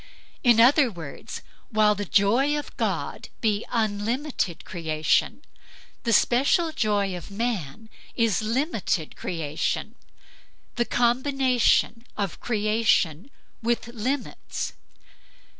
In other words, while the joy of God be unlimited creation, the special joy of man is limited creation, the combination of creation with limits.